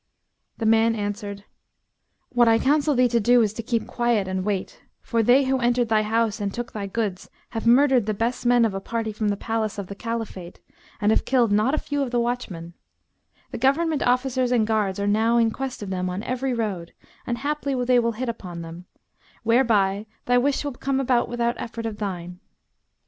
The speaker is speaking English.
The man answered, 'What I counsel thee to do is to keep quiet and wait; for they who entered thy house and took thy goods have murdered the best men of a party from the palace of the Caliphate and have killed not a few of the watchmen: the government officers and guards are now in quest of them on every road and haply they will hit upon them, whereby thy wish will come about without effort of thine.'"